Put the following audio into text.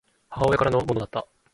母親からのものだった